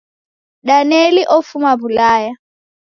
Daneli ofuma W'ulaya